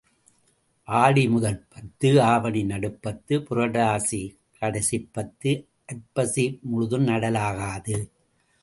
ஆடி முதல் பத்து, ஆவணி நடுப்பத்து, புரட்டாசி கடைப்பத்து, ஐப்பசி முழுதும் நடலாகாது.